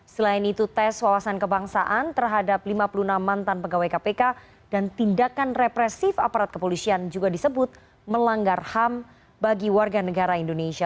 selain itu tes wawasan kebangsaan terhadap lima puluh enam mantan pegawai kpk dan tindakan represif aparat kepolisian juga disebut melanggar ham bagi warga negara indonesia